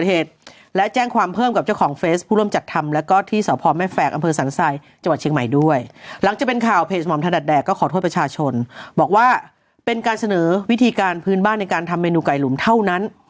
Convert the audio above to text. หลังจากเป็นข่าวเพจหม่อมถนัดแดกก็ขอโทษประชาชนบอกว่าเป็นการเสนอวิธีการพื้นบ้านในการทำเมนูไก่หลุมเท่านั้น